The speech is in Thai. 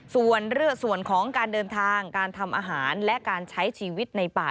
ส่วนของการเดินทางการทำอาหารและการใช้ชีวิตในป่า